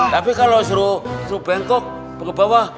tapi kalau disuruh bengkok ke bawah